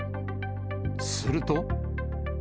すると。